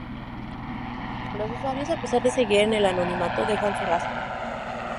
los usuarios a pesar de seguir en el anonimato dejan su rastro